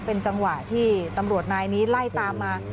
เป็นจังหวะที่ตำรวจนายนี้ไล่ตามมา